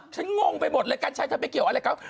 ฉันงงไปหมดเลยกัฏชัยได้เกี่ยวกับอะไรครับ